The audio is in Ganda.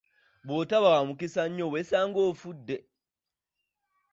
Bw'otaba wa mukisa nnyo weesanga ofudde!